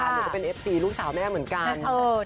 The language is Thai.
เหมือนกับเป็นเอฟทีลูกสาวแม่เหมือนกัน